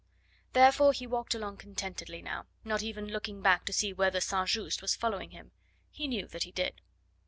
Therefore he walked along contentedly now, not even looking back to see whether St. Just was following him. He knew that he did.